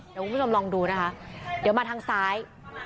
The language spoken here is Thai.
เดี๋ยวคุณผู้ชมลองดูนะคะเดี๋ยวมาทางซ้าย